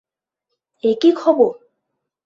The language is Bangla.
এ কী খবর!